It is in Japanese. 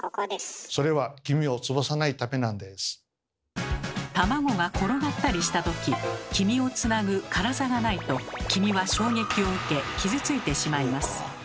それは卵が転がったりしたとき黄身をつなぐカラザがないと黄身は衝撃を受け傷ついてしまいます。